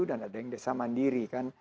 dan ada yang desa maju